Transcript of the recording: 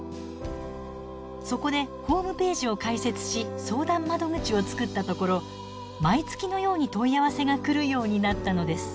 そこでホームページを開設し相談窓口を作ったところ毎月のように問い合わせが来るようになったのです。